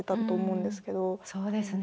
そうですね。